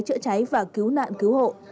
chữa cháy và cứu nạn cứu hộ